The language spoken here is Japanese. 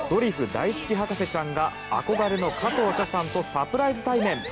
大好き博士ちゃんが憧れの加藤茶さんとサプライズ対面！